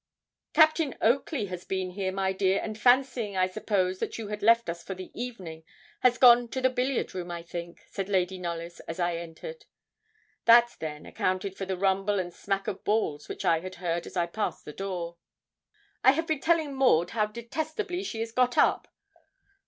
'Captain Oakley has been here, my dear, and fancying, I suppose, that you had left us for the evening, has gone to the billiard room, I think,' said Lady Knollys, as I entered. That, then, accounted for the rumble and smack of balls which I had heard as I passed the door. 'I have been telling Maud how detestably she is got up.'